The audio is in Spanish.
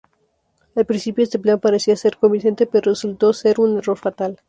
Al principio, este plan parecía ser convincente, pero resultó ser un error fatal.